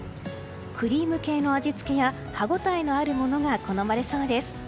クリーム系の味付けや歯応えのあるものが好まれそうです。